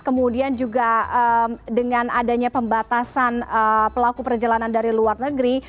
kemudian juga dengan adanya pembatasan pelaku perjalanan dari luar negeri